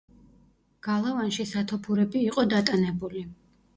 გალავანში სათოფურები იყო დატანებული.